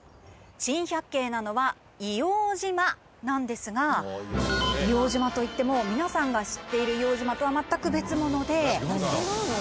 珍百景なのは硫黄島なんですが硫黄島といっても皆さんが知っている硫黄島とは全く別物で。